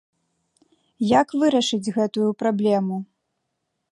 Як вырашыць гэтую праблему?